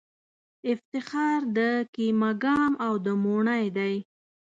افتخار د کېمه ګام او د موڼی دی